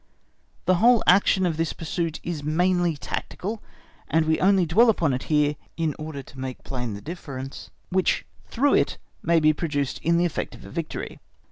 (*) Waterloo. The whole action of this pursuit is mainly tactical, and we only dwell upon it here in order to make plain the difference which through it may be produced in the effect of a victory.